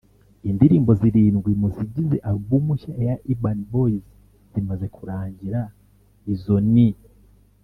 Indirimbo zirindwi mu zigize album nshya ya Urban Boyz zimaze kurangira izo ni